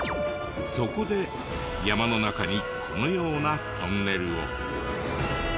そこで山の中にこのようなトンネルを。